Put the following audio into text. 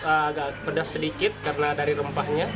agak pedas sedikit karena dari rempahnya